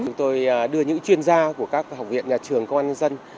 chúng tôi đưa những chuyên gia của các học viện nhà trường công an nhân dân